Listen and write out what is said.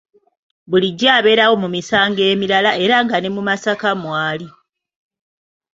Bulijjo abeerawo mu misango emirala era nga ne mu Masaka mwali.